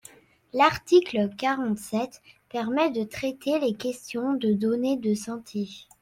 L’article quarante-sept permet de traiter les questions de données de santé.